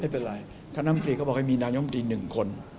ไม่เป็นไรคณะน้ำคลีเขาบอกให้มีนายมอร์มอร์ตี๑คน